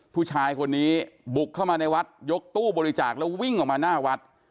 ผู้ชายคนนี้บุกเข้ามาในวัดยกตู้บริจาคแล้ววิ่งออกมาหน้าวัด